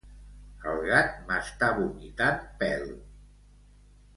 El gat m'està vomitant pèl.